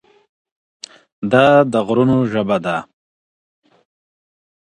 دا د غرونو ژبه ده